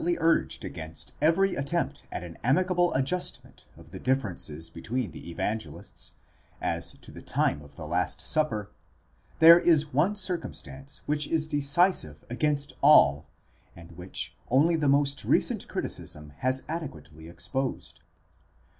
'* Besides what may thus be separately urged against every attempt at an amicable adjustment of the differences between the Evangelists, as to the time of the last supper; there is one circumstance which is decisive against all, and which only the most recent criticism has adequately exposed.